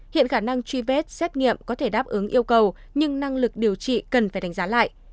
hiện khả năng truy vết xét nghiệm có thể đáp ứng yêu cầu nhưng năng lực điều trị cần phải đánh giá lại